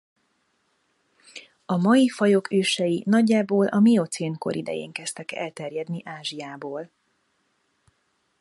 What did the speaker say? A mai fajok ősei nagyjából a miocén kor idején kezdtek elterjedni Ázsiából.